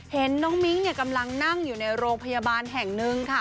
เห็นน้องมิ้งกำลังนั่งอยู่ในโรงพยาบาลแห่งหนึ่งค่ะ